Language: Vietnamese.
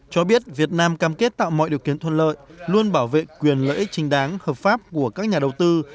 cho biết việt nam cam kết tạo mọi điều kiện thuận lợi luôn bảo vệ quyền lợi ích chính đáng hợp pháp của các nhà đầu tư